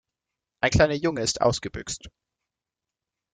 Ein kleiner Junge ist ausgebüxt.